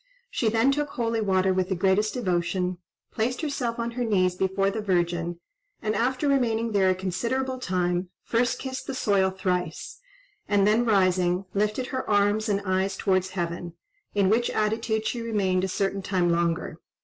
She then took holy water with the greatest devotion, placed herself on her knees before the Virgin, and after remaining there a considerable time, first kissed the soil thrice, and then rising, lifted her arms and eyes towards heaven, in which attitude she remained a certain time longer.